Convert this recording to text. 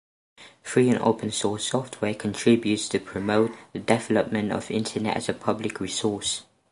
Free and open source software contributes to promote the development of internet as a public resource.